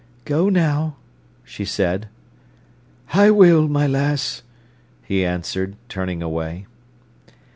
"Go now," she said. "I will, my lass," he answered, turning away.